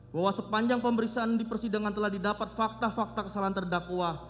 bahwa sepanjang pemeriksaan di persidangan telah didapat fakta fakta kesalahan terdakwa